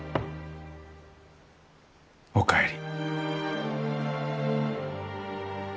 お帰り。